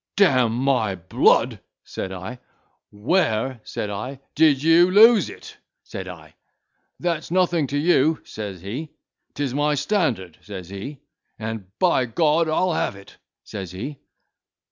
"D—n my blood!" said I, "where," said I, "did you lose it?" said I. "That's nothing to you," says he, "'tis my standard," says he" and by G—d I'll have it," says he.